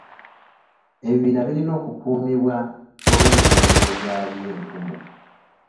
Ebibira birina okukuumibwa olw'emiganyulwo gyabyo enkumu.